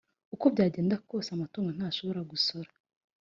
uko byagenda kose amatungo ntashobora gusora